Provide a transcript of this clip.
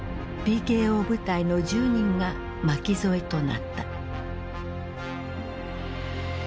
ＰＫＯ部隊の１０人が巻き添えとなった。